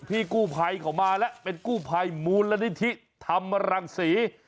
พี่กู้ภัยเขามาแล้วเป็นกู้ภัยมูลนิธิธรรมรังศรี